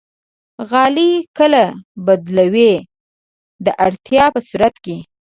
غالۍ کله بدلوئ؟ د اړتیا په صورت کې